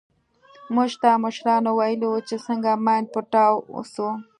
موږ ته مشرانو ويلي وو چې څنگه ماين پټاو سو.